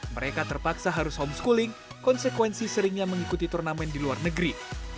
mereka terpaksa harus homeschooling konsekuensi seringnya mengikuti turnamen di luar negeri